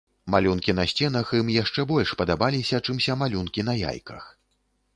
Малюнкі на сценах ім яшчэ больш падабаліся, чымся малюнкі на яйках.